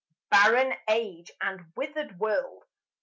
..... Barren Age and withered World!